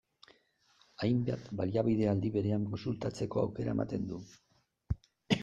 Hainbat baliabide aldi berean kontsultatzeko aukera ematen du.